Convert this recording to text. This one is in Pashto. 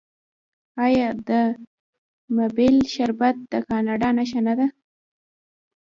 آیا د میپل شربت د کاناډا نښه نه ده؟